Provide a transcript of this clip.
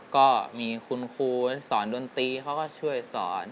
ก็มีคุณครูสอนดนตรีเขาก็ช่วยสอน